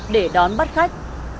để đón bắt khách